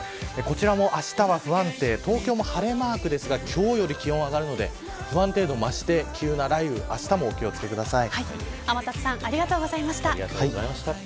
あしたは不安定、東京も晴れマークですが今日よりも気温が上がるので不安定度が増して、あしたも急な雷雨に気を付けてください。